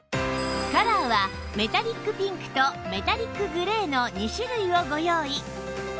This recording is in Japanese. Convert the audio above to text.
カラーはメタリックピンクとメタリックグレーの２種類をご用意